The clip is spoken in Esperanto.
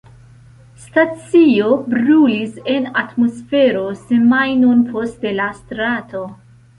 Stacio brulis en atmosfero semajnon post de la starto.